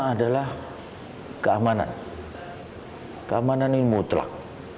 adalah keamanan keamanan yang mutlak